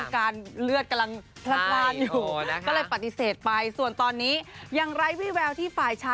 ค่ะไปฟังพี่แอนเลยค่ะ